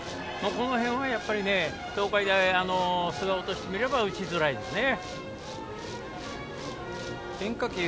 この辺は東海大菅生としてみれば打ちづらいですね。